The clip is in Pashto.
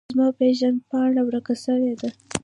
زما پیژند پاڼه ورکه سویده